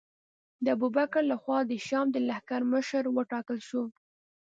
د ابوبکر له خوا د شام د لښکر مشر وټاکل شو.